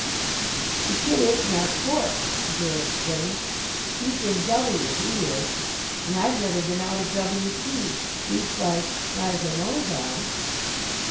"The kid ain't in our court," the girl explained. "He's in W., he is, and I've never been out of W.C., leastwise, not as I knows on."